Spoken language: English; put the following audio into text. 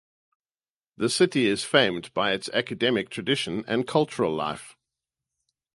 The city is famed by its academic traditions and cultural life.